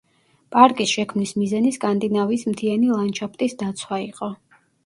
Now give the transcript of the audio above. პარკის შექმნის მიზანი სკანდინავიის მთიანი ლანდშაფტის დაცვა იყო.